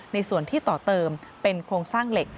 ในส่วนที่ต่อเติมเป็นโครงสร้างเหล็ก